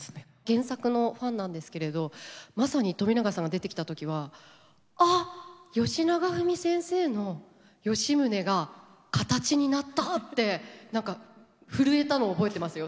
原作のファンなんですけれどまさに冨永さんが出てきた時はあっよしながふみ先生の吉宗が形になったって何か震えたのを覚えてますよ